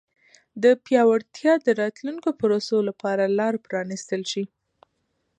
د پیاوړتیا د راتلونکو پروسو لپاره لار پرانیستل شي.